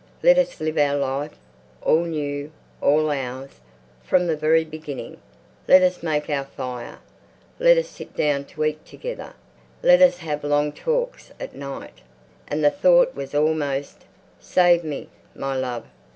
Let us live our life, all new, all ours, from the very beginning. Let us make our fire. Let us sit down to eat together. Let us have long talks at night." And the thought was almost, "Save me, my love.